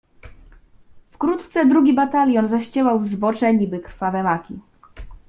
"Wkrótce drugi batalion zaściełał zbocze, niby krwawe maki."